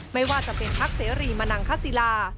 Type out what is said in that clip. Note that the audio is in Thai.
ไม่ว่าจะเป็นพักเสรีมนังคศิลา